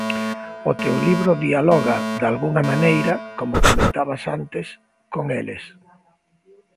O teu libro dialoga, dalgunha maneira, como comentabas antes, con eles.